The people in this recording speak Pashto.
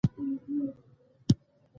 د کانادا وګړي په انګلیسي او فرانسوي خبرې کوي.